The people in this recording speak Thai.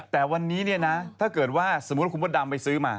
แต่วันนี้เนี่ยนะถ้าเกิดว่าสมมุติคุณมดดำไปซื้อมา